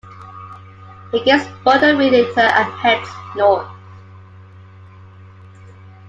He gets bored a week later and heads north.